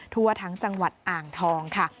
ทั่วทั้งจังหวัดอ่างทองค่ะ